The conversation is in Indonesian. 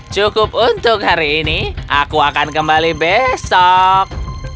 cukup untuk hari ini aku akan kembali besok